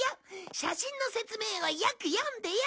写真の説明をよく読んでよ。